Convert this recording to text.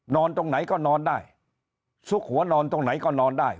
ตรงไหนก็นอนได้ซุกหัวนอนตรงไหนก็นอนได้